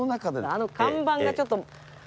あの看板がちょっと。